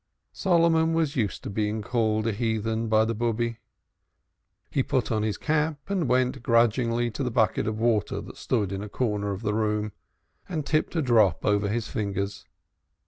Solomon was used to being called a "heathen" by the Bube. He put on his cap and went grudgingly to the bucket of water that stood in a corner of the room, and tipped a drop over his fingers.